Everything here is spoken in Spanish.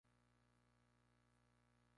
Ascendió hasta Teniente Coronel.